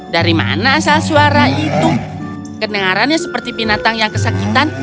dari mana asal suara itu kedengarannya seperti binatang yang kesakitan